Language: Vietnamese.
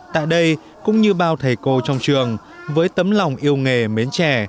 tại đây cũng như bao thầy cô trong trường với tấm lòng yêu nghề mến trẻ